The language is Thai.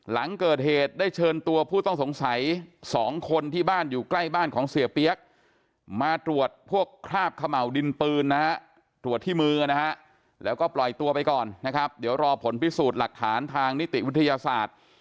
หลังเกิดเหตุได้เชิญตัวผู้ต้องสงสัย๒คนที่บ้านอยู่ใกล้บ้านของเสียเปี๊ยกมาตรวจพวกคราบเขม่าวดินปืนนะฮะตรวจที่มือนะฮะแล้วก็ปล่อยตัวไปก่อนนะครับเดี๋ยวรอผลพิสูจน์หลักฐานทางนิติวิทยาศาสตร์